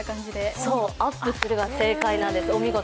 そう、アップするが正解なんです、お見事。